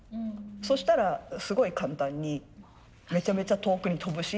そしたらすごい簡単にめちゃめちゃ遠くに飛ぶし。